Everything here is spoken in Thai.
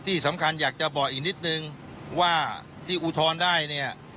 ที่สำคัญอยากจะบอกอีกนิดนึงว่าที่อุทธรณ์ได้เนี่ย